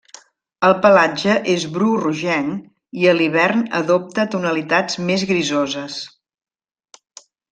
El pelatge és bru rogenc i a l'hivern adopta tonalitats més grisoses.